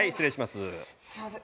すみません。